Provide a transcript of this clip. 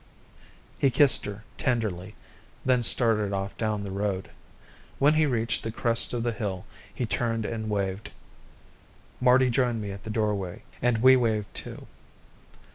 He kissed her tenderly, then started off down the road. When he reached the crest of the hill, he turned and waved. Marty joined me at the doorway, and we waved too.